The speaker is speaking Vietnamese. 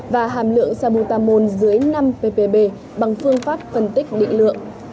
và hàm lượng sabutamol dưới năm ppp bằng phương pháp phân tích định lượng